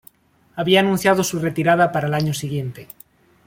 Había anunciado su retirada para el año siguiente.